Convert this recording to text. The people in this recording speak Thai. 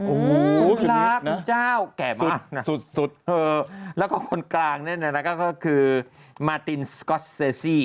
โอ้โฮคือนี้นะสุดแล้วก็คนกลางนั่นก็คือมาตินสก๊อตเซสซี่